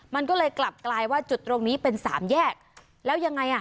มันก็เลยกลับกลายว่าจุดตรงนี้เป็นสามแยกแล้วยังไงอ่ะ